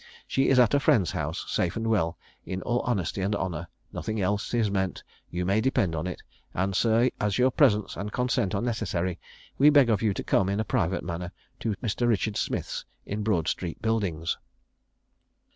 She is at a friend's house safe and well, in all honesty and honour; nothing else is meant, you may depend on it; and, sir, as your presence and consent are necessary, we beg of you to come in a private manner to Mr. Richard Smith's in Broad street Buildings."